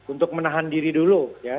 untuk menahan diri dulu